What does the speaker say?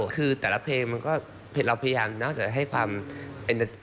คือแต่ละเพลงมันก็เราพยายามนอกจากจะให้ความเป็น